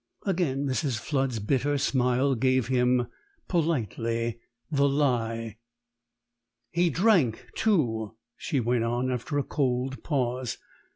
Again Mrs. Flood's bitter smile gave him politely the lie. "He drank, too," she went on, after a cold pause.